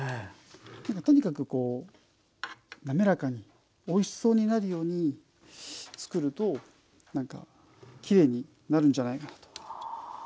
とにかくこうなめらかにおいしそうになるように作るときれいになるんじゃないかなと。